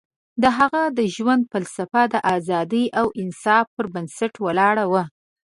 د هغه د ژوند فلسفه د ازادۍ او انصاف پر بنسټ ولاړه وه.